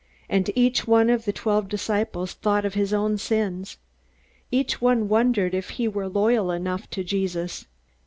And each one of the twelve disciples thought of his own sins. Each one wondered if he were loyal enough to Jesus.